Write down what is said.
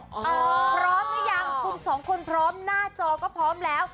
พร้อมหรือยังคุณสองคนพร้อมหน้าจอก็พร้อมแล้ว